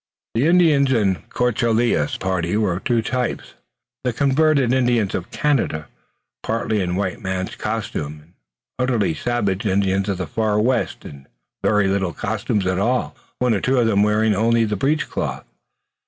The Indians in de Courcelles' party were of two types, the converted Indians of Canada, partly in white man's costume, and utterly savage Indians of the far west, in very little costume at all, one or two of them wearing only the breech cloth.